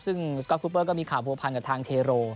ซึ่งสก๊อตครูเปอร์ก็มีข่าวภูมิพันธ์กับทางเทโร